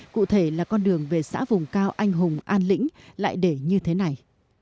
cụ thể là con đường về xã vùng cao anh hùng an lĩnh lại để như thế này